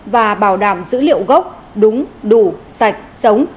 và bảo đảm dữ liệu gốc đúng đủ sạch sống